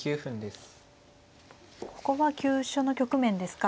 ここは急所の局面ですか。